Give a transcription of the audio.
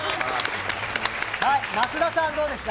増田さん、どうでした。